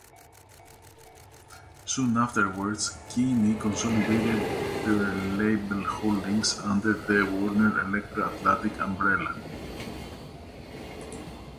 Soon afterwards, Kinney consolidated their label holdings under the Warner-Elektra-Atlantic umbrella.